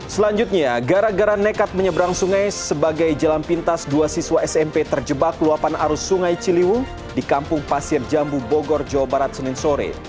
selanjutnya gara gara nekat menyeberang sungai sebagai jalan pintas dua siswa smp terjebak luapan arus sungai ciliwung di kampung pasir jambu bogor jawa barat senin sore